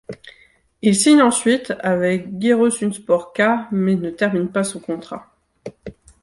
Il signe ensuite avec Giresunspor K mais ne termine pas son contrat.